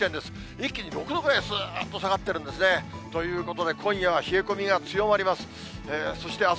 一気に６度ぐらい、すーっと下がってるんですね。ということで、今夜は冷え込みが強まります。